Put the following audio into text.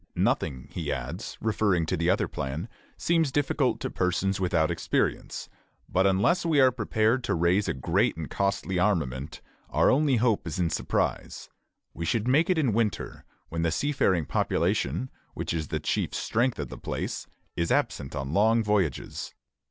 Nothing, he adds, referring to the other plan, seems difficult to persons without experience; but unless we are prepared to raise a great and costly armament, our only hope is in surprise. We should make it in winter, when the seafaring population, which is the chief strength of the place, is absent on long voyages.